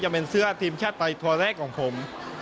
จะเป็นเสื้อทีมชาติไทยตัวแรกของผม